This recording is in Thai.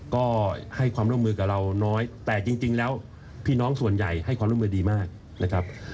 ก็ให้ความร่วมมือกับเราน้อยแต่จริงแล้วพี่น้องส่วนใหญ่ให้ความร่วมมือดีมากนะครับ